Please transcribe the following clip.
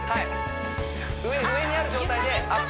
上にある状態でアップ